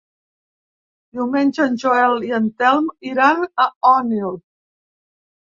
Diumenge en Joel i en Telm iran a Onil.